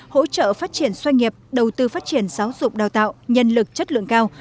hỗ trợ phát triển xoay nghiệp đầu tư phát triển giáo dục đào tạo nhân lực chất lượng cao